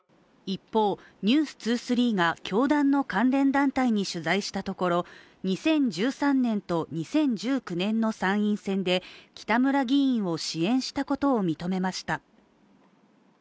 一方、「ｎｅｗｓ２３」が教団の関連団体に取材したところ、２０１３年と２０１９年の参院選で、北村議員を支援したことを認めました。